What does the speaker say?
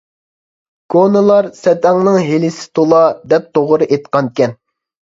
كونىلار «سەتەڭنىڭ ھىيلىسى تولا» دەپ توغرا ئېيتقانىكەن.